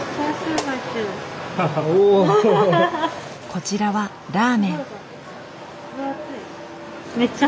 こちらはラーメン。